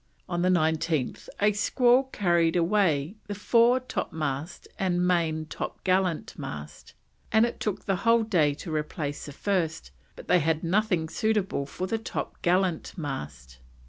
On the 19th a squall carried away the fore topmast and main topgallant mast, and it took the whole day to replace the first, but they had nothing suitable for the top gallant mast.